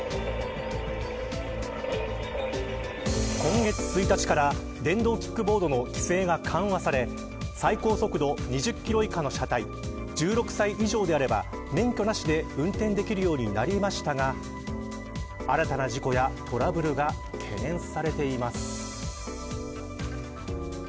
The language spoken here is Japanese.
今月１日から電動キックボードの規制が緩和され、最高速度２０キロ以下の車体１６歳以上であれば免許なしで運転できるようになりましたが新たな事故やトラブルが懸念されています。